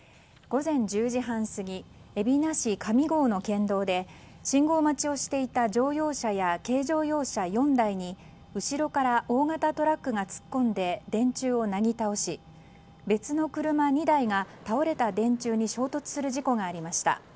午前１０時半過ぎ海老名市上郷の県道で信号待ちをしていた乗用車や軽乗用車４台に後ろから大型トラックが突っ込んで電柱をなぎ倒し別の車２台が倒れた電柱に衝突する事故がありました。